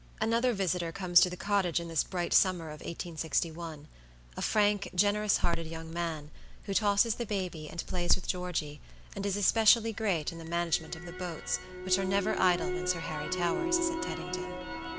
Another visitor comes to the cottage in this bright summer of 1861a frank, generous hearted young man, who tosses the baby and plays with Georgey, and is especially great in the management of the boats, which are never idle when Sir Harry Towers is at Teddington.